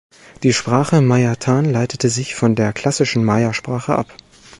Die Sprache Mayathan leitete sich von der klassischen Maya-Sprache ab.